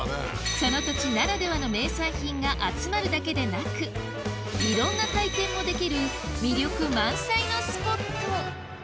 その土地ならではの名産品が集まるだけでなくいろんな体験もできる魅力満載のスポット